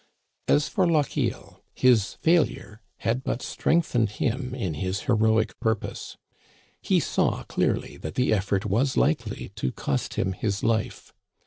As for Lochiel, his failure had but strengthened him in his heroic purpose. He saw clearly that the effort was likely to cost him his life.